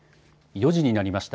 ４時になりました。